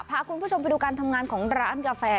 พาคุณผู้ชมไปดูการทำงานของร้านกาแฟ